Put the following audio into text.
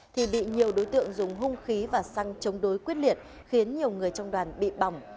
thì bị nhiều đối tượng dùng hung khí và xăng chống đối quyết liệt khiến nhiều người trong đoàn bị bỏng